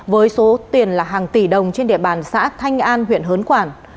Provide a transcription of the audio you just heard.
với số tiền là hàng tỷ đồng trên địa bàn xã thanh an huyện hớn quản